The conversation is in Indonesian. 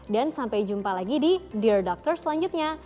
dan sampai jumpa lagi di dear dokter selanjutnya